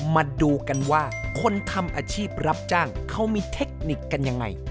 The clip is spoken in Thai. มาดูกันว่าคนทำอาชีพรับจ้างเขามีเทคนิคกันยังไง